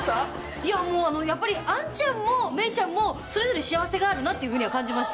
いやもうやっぱりアンちゃんもメイちゃんもそれぞれ幸せがあるなっていうふうには感じました。